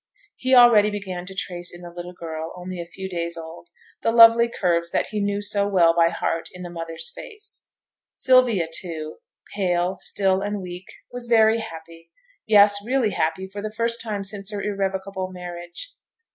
He already began to trace in the little girl, only a few days old, the lovely curves that he knew so well by heart in the mother's face. Sylvia, too, pale, still, and weak, was very happy; yes, really happy for the first time since her irrevocable marriage.